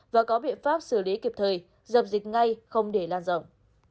và có biện pháp xử lý kịp thời dập dịch ngay không để lan rộng